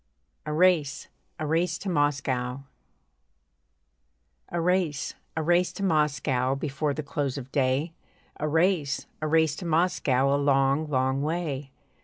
A RACE, A RACE TO MOSCOW A race, a race to Moscow, Before the close of day! A race, a race to Moscow, A long, long way!